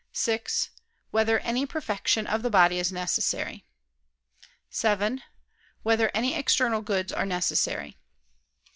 (6) Whether any perfection of the body is necessary? (7) Whether any external goods are necessary?